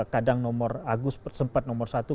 kadang nomor agus sempat nomor satu